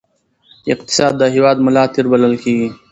اقتصاد د هېواد د ملا تیر بلل کېږي.